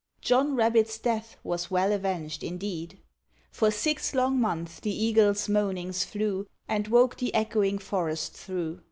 John Rabbit's death was well avenged indeed! For six long months the Eagle's moanings flew, And woke the echoing forest through.